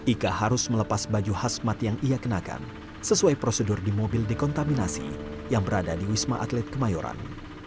ika harus melepas baju khas mat yang ia kenakan sesuai prosedur di mobil dekontaminasi yang berada di wisma atlet kemayoran